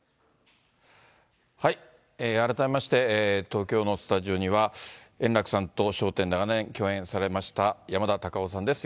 改めまして、東京のスタジオには、円楽さんと笑点で長年共演されました、山田隆夫さんです。